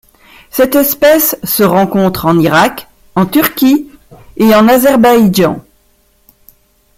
Cette espèce se rencontre en Irak, en Turquie et en Azerbaïdjan.